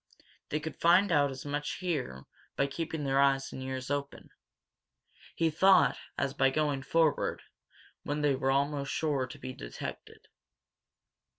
They could find out as much here by keeping their eyes and ears open, he thought, as by going forward, when they were almost sure to be detected.